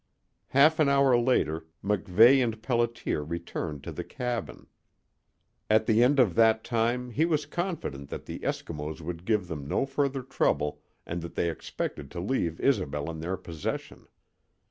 Half an hour later MacVeigh and Pelliter returned to the cabin. At the end of that time he was confident that the Eskimos would give them no further trouble and that they expected to leave Isobel in their possession.